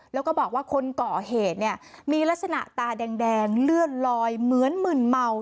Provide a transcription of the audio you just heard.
แล้วก็บอกว่าคนก่อเหตุเนี่ยมีลักษณะตาแดงเลื่อนลอยเหมือนมึนเมา